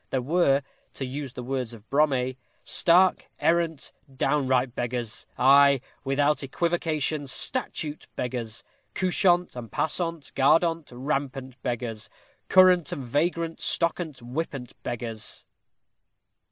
There were, to use the words of Brome Stark, errant, downright beggars. Ay, Without equivocation, statute beggars, Couchant and passant, guardant, rampant beggars; Current and vagrant, stockant, whippant beggars!